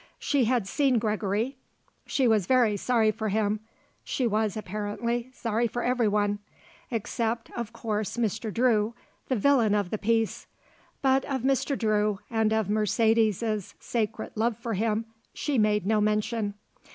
She had seen Gregory, she was very sorry for him. She was, apparently, sorry for everyone; except of course, Mr. Drew, the villain of the piece; but of Mr. Drew and of Mercedes's sacred love for him, she made no mention.